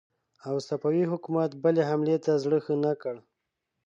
او صفوي حکومت بلې حملې ته زړه ښه نه کړ.